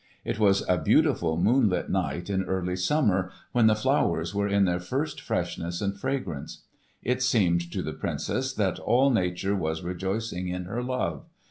It was a beautiful moonlit night in early summer, when the flowers were in their first freshness and fragrance. It seemed to the Princess that all nature was rejoicing in her love.